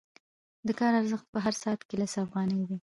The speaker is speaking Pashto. د کار ارزښت په هر ساعت کې لس افغانۍ دی